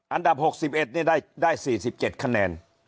อันดับ๖๑ได้๔๗คะแนน